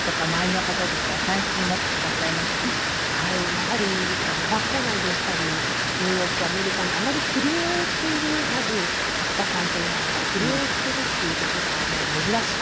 やはり学校内でしたりニューヨークアメリカにあまり切り絵をしているまず作家さんといいますか切り絵をしているっていう事が珍しかったみたいで。